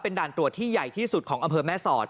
ด่านตรวจที่ใหญ่ที่สุดของอำเภอแม่สอด